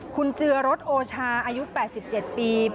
คุณเจือรถโอชาอายุ๘๗ปี